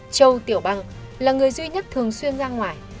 châu tiểu băng là người duy nhất thường xuyên ra ngoài